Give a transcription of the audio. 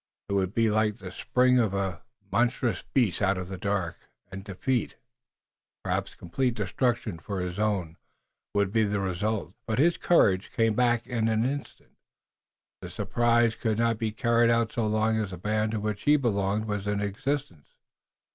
It would be like the spring of a monstrous beast out of the dark, and defeat, perhaps complete destruction for his own, would be the result. But his courage came back in an instant. The surprise could not be carried out so long as the band to which he belonged was in existence.